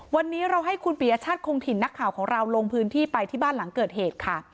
วันนี้เราให้คุณปียชาติคงถิ่นนักข่าวของเราลงพื้นที่ไปที่บ้านหลังเกิดเหตุค่ะ